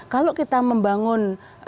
kalau kita membangun